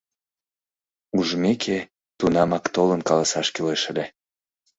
— Ужмеке, тунамак толын каласаш кӱлеш ыле.